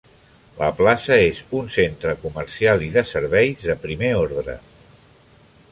La plaça és un centre comercial i de serveis de primer ordre.